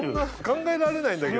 考えられないんだけど。